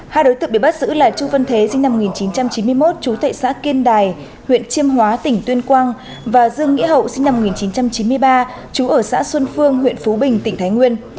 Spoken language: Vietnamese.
hai đối tượng bị bắt giữ là chu văn thế sinh năm một nghìn chín trăm chín mươi một trú tại xã kiên đài huyện chiêm hóa tỉnh tuyên quang và dương nghĩa hậu sinh năm một nghìn chín trăm chín mươi ba chú ở xã xuân phương huyện phú bình tỉnh thái nguyên